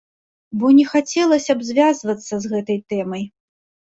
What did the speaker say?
Бо не хацелася б звязвацца з гэтай тэмай.